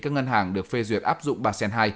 các ngân hàng được phê duyệt áp dụng ba sen hai